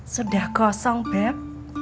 sudah kosong beb